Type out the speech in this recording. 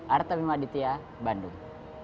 artemi maditya bandung